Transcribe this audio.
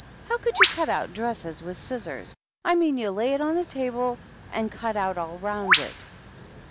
how could you cut out dresses with scissors? I mean you lay it on the table and cut out all round it."